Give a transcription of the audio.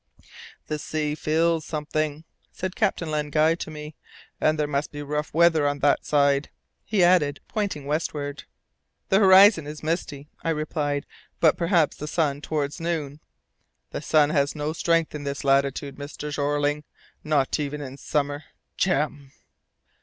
"The sea feels something," said Captain Len Guy to me, "and there must be rough weather on that side," he added, pointing westward. "The horizon is misty," I replied; "but perhaps the sun towards noon " "The sun has no strength in this latitude, Mr. Jeorling, not even in summer. Jem!"